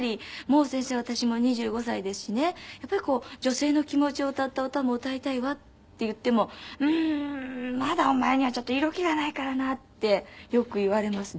「もう先生私も２５歳ですしねやっぱり女性の気持ちを歌った歌も歌いたいわ」って言っても「うーん。まだお前にはちょっと色気がないからな」ってよく言われます。